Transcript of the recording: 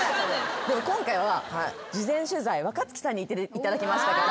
でも今回は事前取材若槻さんに行っていただきましたから。